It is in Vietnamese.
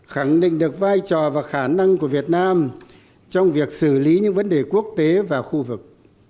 khẳng định được vai trò và khả năng của việt nam trong việc xử lý những vấn đề quốc tế và khu vực